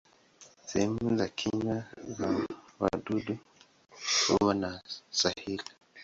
Sehemu za kinywa za wadudu hawa ni sahili.